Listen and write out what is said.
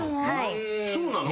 そうなの？